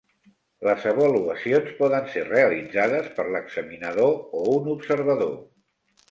Les avaluacions poden ser realitzades per l'examinador o un observador.